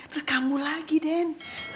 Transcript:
terus kamu lagi din